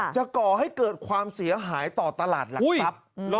ก่อให้เกิดความเสียหายต่อตลาดหลักทรัพย์